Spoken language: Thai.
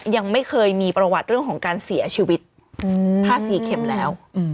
ยังไม่เคยมีประวัติเรื่องของการเสียชีวิตผ้าสีเข็มแล้ว